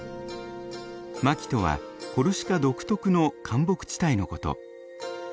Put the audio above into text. マキとはコルシカ独特の灌木地帯のこと。